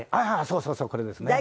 そうそうそうこれですね。